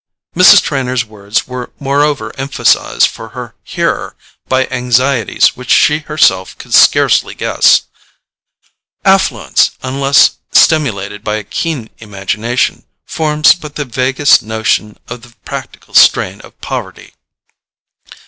Mrs. Trenor's words were moreover emphasized for her hearer by anxieties which she herself could scarcely guess. Affluence, unless stimulated by a keen imagination, forms but the vaguest notion of the practical strain of poverty.